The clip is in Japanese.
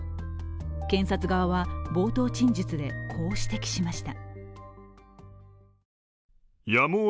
検察側は冒頭陳述でこう指摘しました。